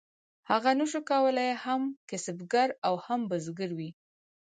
هغه نشو کولی هم کسبګر او هم بزګر وي.